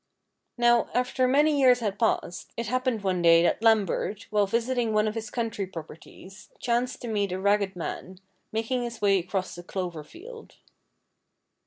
Now, after many years had passed, it happened one day that Lambert, while visiting one of his country properties, chanced to meet a ragged man, making his way across a clover field.